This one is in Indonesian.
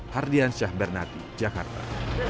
hardian syahbernati jakarta